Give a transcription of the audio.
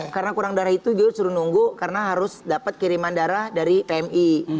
karena kurang darah itu gue disuruh nunggu karena harus dapat kiriman darah dari pmi